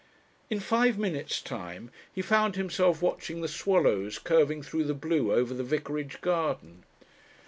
In five minutes' time he found himself watching the swallows curving through the blue over the vicarage garden.